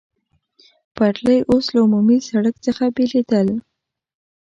پټلۍ اوس له عمومي سړک څخه بېلېدل.